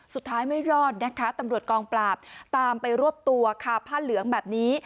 ไม่รอดนะคะตำรวจกองปราบตามไปรวบตัวคาผ้าเหลืองแบบนี้